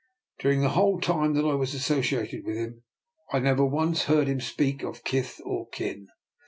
During the whole time that I was associated with him I never once heard him speak of kith or kin.